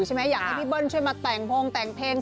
อยากให้ที่เป้าลับช่วยมาต่างโรงการต่างเพลง